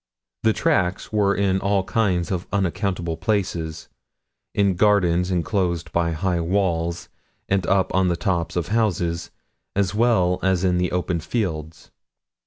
The tracks were in all kinds of unaccountable places: in gardens enclosed by high walls, and up on the tops of houses, as well as in the open fields.